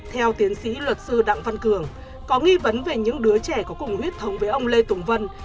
theo tiến sĩ luật sư đặng văn cường có nghi vấn về những đứa trẻ có cùng huyết thống với ông lê tùng vân